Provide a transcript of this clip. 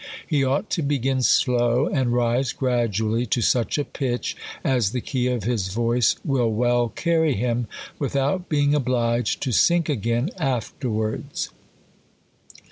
He ought to be gin slow, and rise gradually to such a pitch as the key of his voice will well carry him, without being obliged to sink again afterwards.